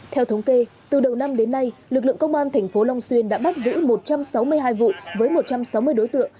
theo thống kê từ đầu năm đến nay lực lượng công an tp long xuyên đã bắt giữ một trăm sáu mươi hai vụ với một trăm sáu mươi đối tượng